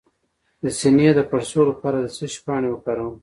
د سینې د پړسوب لپاره د څه شي پاڼې وکاروم؟